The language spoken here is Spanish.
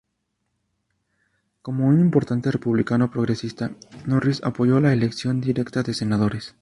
Como un importante republicano progresista, Norris apoyó la elección directa de senadores.